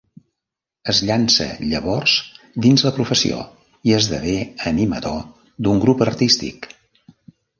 Es llança llavors dins la professió i esdevé animador d'un grup artístic.